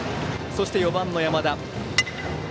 そして４番、山田。